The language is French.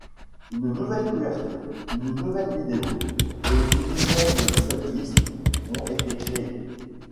Une nouvelle couverture, une nouvelle vidéo et une nouvelle setlist ont été créés.